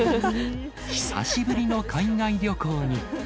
久しぶりの海外旅行に。